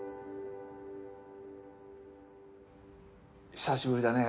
久しぶりだね